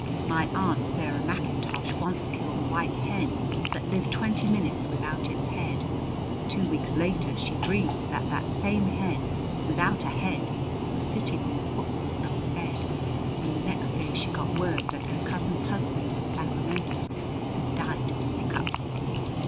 My Aunt Sarah Mackintosh once killed a white hen that lived twenty minutes without its head; two weeks later she dreamed that that same hen, without a head, was sitting on the footboard of the bed, and the next day she got word that her cousin's husband in Sacramento had died of the hiccoughs.